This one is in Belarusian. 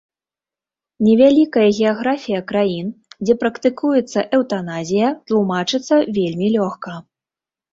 Невялікая геаграфія краін, дзе практыкуецца эўтаназія, тлумачыцца вельмі лёгка.